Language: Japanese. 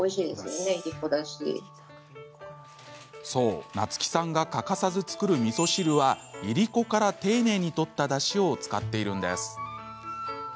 そう、菜月さんが欠かさず作るみそ汁はいりこから丁寧に取ったダシを使っているんです。